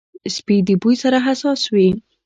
سپي د بوی سره حساس وي.